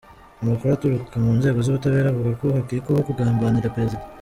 Amakuru aturuka mu nzego z’ubutabera avuga ko bakekwaho ‘kugambanira Perezida.